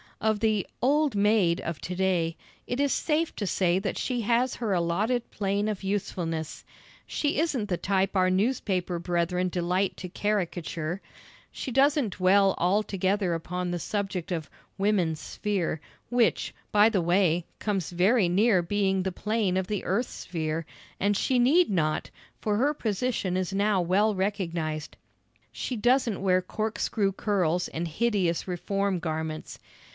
Of the "old maid" of to day, it is safe to say that she has her allotted plane of usefulness. She isn't the type our newspaper brethren delight to caricature. She doesn't dwell altogether upon the subject of "woman's sphere," which, by the way, comes very near being the plane of the earth's sphere, and she need not, for her position is now well recognised. She doesn't wear corkscrew curls and hideous reform garments.